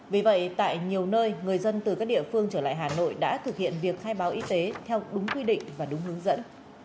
vì vậy tại nhiều nơi người dân từ các địa phương trở lại hà nội đã thực hiện việc khai báo y tế theo đúng quy định và đúng hướng dẫn